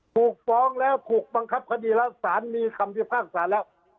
ถูกฟ้องแล้วถูกบังคับคดีแล้วสารมีคำพิพากษาแล้ว